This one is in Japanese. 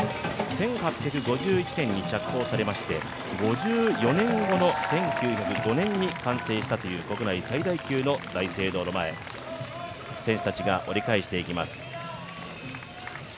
１８５１年に着工されまして、５４年後の１９０５年に完成したという国内最大級の大聖堂の前、選手たちが折り返していきます。